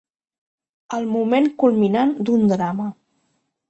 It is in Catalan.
El moment culminant d'un drama.